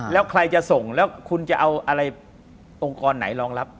แล้วใครจะส่งแล้วคุณจะเอาอะไรองค์กรไหนรองรับ